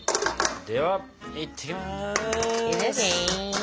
ではいってきます！